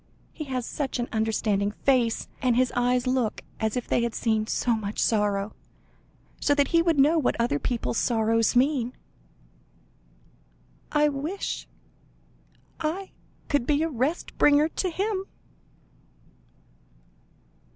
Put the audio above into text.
He has such an understanding face, and his eyes look as if they had seen so much sorrow, so that he would know what other people's sorrows mean. I wish I could be a rest bringer to him."